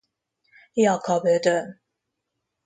Jakab Ödön.